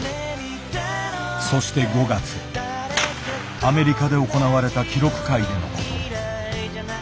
アメリカで行われた記録会でのこと。